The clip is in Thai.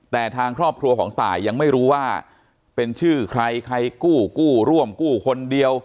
แต่ทางครอบครัวของตายยังไม่รู้ว่าเป็นชื่อใครใครกู้กู้ร่วมกู้คนเดียว